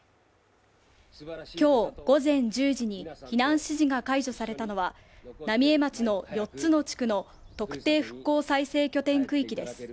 今日午前１０時に避難指示が解除されたのは、浪江町の四つの地区の特定復興再生拠点区域です